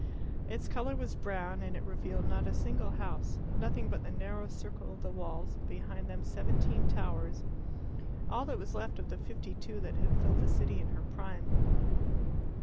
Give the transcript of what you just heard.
Its colour was brown, and it revealed not a single house nothing but the narrow circle of the walls, and behind them seventeen towers all that was left of the fifty two that had filled the city in her prime.